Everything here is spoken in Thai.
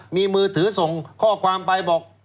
มีมือถือส่งข้อความไปบอก